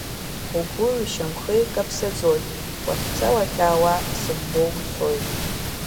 Угәи ушьамхи каԥсаӡоит, уахьца-уахьаа сымбо уцоит.